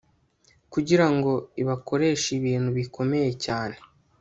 kugira ngo ibakoreshe ibintu bikomeye cyane